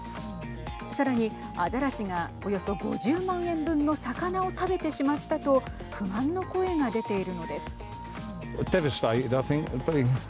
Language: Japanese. さらに、あざらしがおよそ５０万円分の魚を食べてしまったと不満の声が出ているのです。